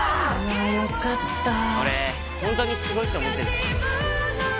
良かった俺ホントにすごいと思ってる